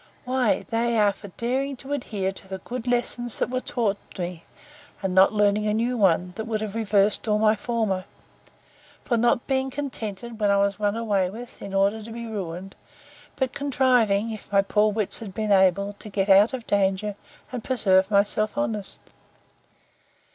—Why, they are for daring to adhere to the good lessons that were taught me; and not learning a new one, that would have reversed all my former: For not being contented when I was run away with, in order to be ruined; but contriving, if my poor wits had been able, to get out of danger, and preserve myself honest.